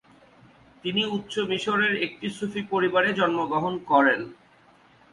তিনি উচ্চ মিশরের একটি সুফি পরিবারে জন্মগ্রহণ করেন।